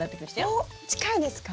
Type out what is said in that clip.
おっ近いですか？